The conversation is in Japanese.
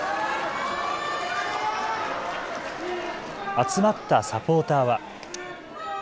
集まったサポーターは。